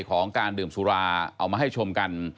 ของการดื่มสุราเอามาให้ชมกัน